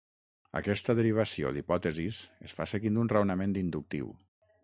Aquesta derivació d'hipòtesis es fa seguint un raonament inductiu.